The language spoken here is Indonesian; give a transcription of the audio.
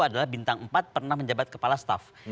adalah bintang empat pernah menjabat kepala staff